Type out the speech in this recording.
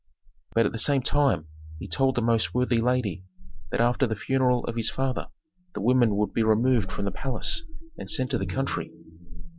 But at the same time he told the most worthy lady that after the funeral of his father the women would be removed from the palace and sent to the country.